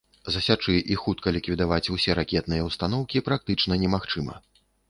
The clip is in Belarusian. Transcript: Засячы і хутка ліквідаваць усе ракетныя ўстаноўкі практычна немагчыма.